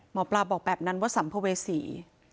หมอปลาบอกแบบนั้นว่าสัมภเวษี